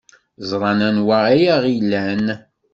Ẓran anwa ay aɣ-ilan.